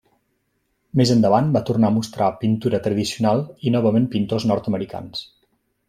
Més endavant va tornar a mostrar pintura tradicional i novament pintors nord-americans.